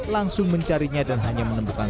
langsung mencarinya dan hanya menemukan